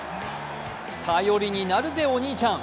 頼りになるぜ、お兄ちゃん。